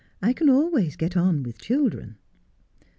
I can always get on with children.'